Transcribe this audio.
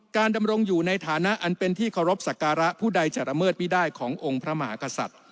ดำรงอยู่ในฐานะอันเป็นที่เคารพสักการะผู้ใดจะละเมิดไม่ได้ขององค์พระมหากษัตริย์